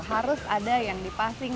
harus ada yang dipasing